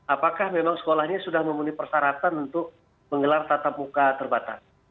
apakah memang sekolahnya sudah memenuhi persyaratan untuk menggelar tatap muka terbatas